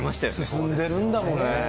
進んでるんだもんね。